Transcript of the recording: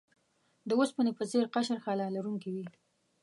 د اوسپنې په څیر قشر خلا لرونکی وي.